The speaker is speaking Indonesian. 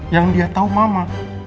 yang dia tau mama